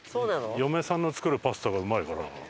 嫁さんの作るパスタがうまいから。